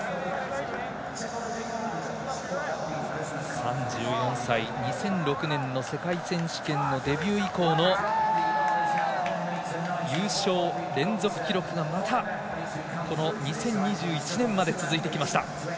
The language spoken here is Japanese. ３４歳、２００６年の世界選手権のデビュー以降の優勝連続記録がまた、この２０２１年まで続いてきました。